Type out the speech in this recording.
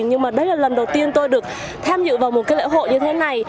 nhưng đây là lần đầu tiên tôi được tham dự vào một lễ hội như thế này